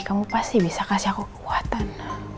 kamu pasti bisa kasih aku kekuatan